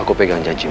aku pegang janjimu